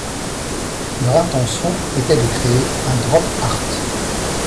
Leur intention était de créer un Drop Art.